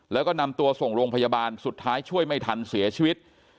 แล้วก็นำตัวส่งโรงพยาบาลสุดท้ายช่วยไม่ทันเสียชีวิต